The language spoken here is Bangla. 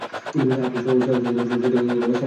আপনি সাহসিকতার সহিত সামনে এগোন।